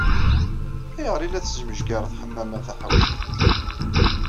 Ayɣer ay la tesmejgareḍ Ḥemmama Taḥawcint?